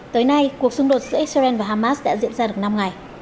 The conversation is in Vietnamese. tới nay cuộc xung đột giữa israel và hamas đã diễn ra được năm ngày